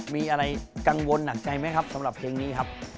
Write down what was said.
มีอะไรกังวลหนักใจไหมครับสำหรับเพลงนี้ครับ